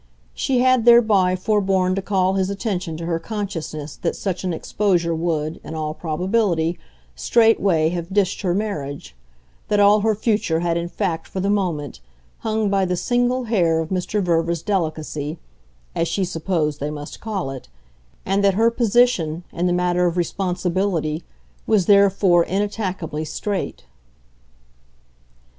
She had thereby forborne to call his attention to her consciousness that such an exposure would, in all probability, straightway have dished her marriage; that all her future had in fact, for the moment, hung by the single hair of Mr. Verver's delicacy (as she supposed they must call it); and that her position, in the matter of responsibility, was therefore inattackably straight.